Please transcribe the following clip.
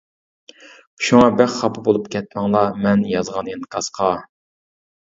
شۇڭا بەك خاپا بولۇپ كەتمەڭلار مەن يازغان ئىنكاسقا.